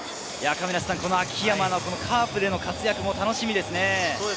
秋山のカープでの活躍も楽しみですね。